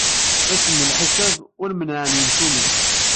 Ass n lḥisab, ur mennɛen yemcumen.